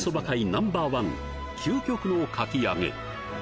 ナンバーワン究極のかき揚げ